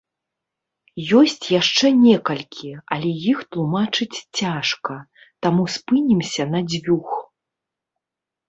Ёсць яшчэ некалькі, але іх тлумачыць цяжка, таму спынімся на дзвюх.